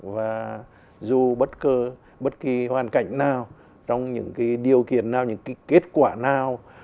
và dù bất cứ bất kỳ hoàn cảnh nào trong những điều kiện nào những kết quả nào